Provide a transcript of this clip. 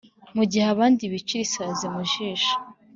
mu gihe abandi bicira isazi mu jisho.